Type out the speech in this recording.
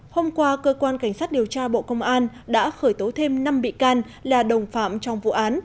hôm qua cơ quan cảnh sát điều tra bộ công an đã khởi tố thêm năm bị can là đồng phạm trong vụ án